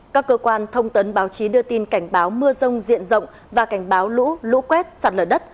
các cơ quan thông tấn báo chí đưa tin cảnh báo mưa rông diện rộng và cảnh báo lũ lũ quét sạt lở đất